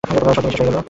শক্তি নিঃশেষ হয়ে গেল।